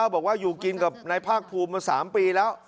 บอกว่าอยู่กินกับนายภาคภูมิมา๓ปีแล้ว